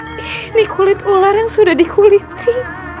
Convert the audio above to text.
ini kulit ular yang sudah dikuliti